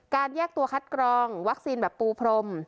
แยกตัวคัดกรองวัคซีนแบบปูพรม